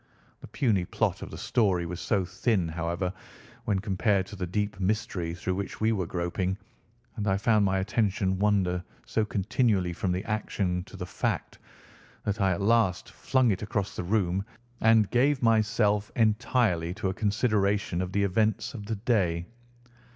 The puny plot of the story was so thin, however, when compared to the deep mystery through which we were groping, and I found my attention wander so continually from the action to the fact, that I at last flung it across the room and gave myself up entirely to a consideration of the events of the day.